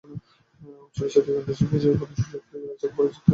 চলচ্চিত্রে যন্ত্রশিল্পী হিসেবে প্রথম সুযোগ পাই রাজ্জাক পরিচালিত অনন্ত প্রেম ছবিতে।